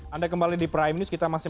anda kembali di prime news kita masih